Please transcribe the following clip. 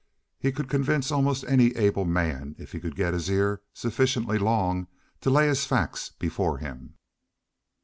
He could convince almost any able man if he could get his ear sufficiently long to lay his facts before him.